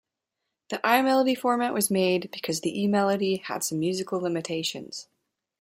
The iMelody format was made because the eMelody had some musical limitations.